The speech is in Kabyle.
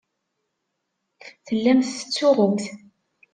Tellamt tettsuɣumt.